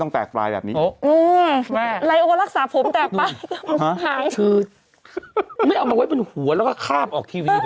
ตรงกลางตรงไหนวะไม่นับ